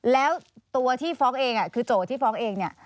แล้วตัวที่ฟ้องเองคือโจทย์ที่ฟ้องเองเนี่ย